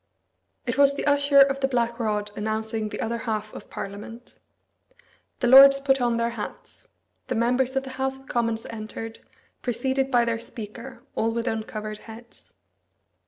It was the Usher of the Black Rod announcing the other half of Parliament. The lords put on their hats. The members of the House of Commons entered, preceded by their Speaker, all with uncovered heads.